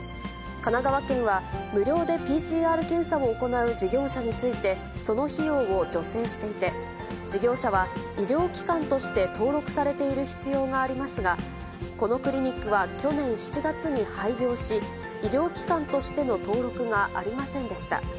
神奈川県は無料でＰＣＲ検査を行う事業者について、その費用を助成していて、事業者は、医療機関として登録されている必要がありますが、このクリニックは、去年７月に廃業し、医療機関としての登録がありませんでした。